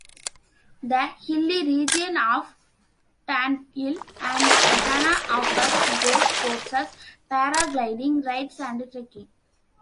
The hilly region of Tandil and Ventana offers golf courses, paragliding rides and trekking.